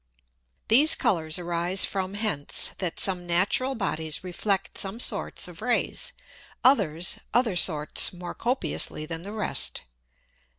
_ These Colours arise from hence, that some natural Bodies reflect some sorts of Rays, others other sorts more copiously than the rest.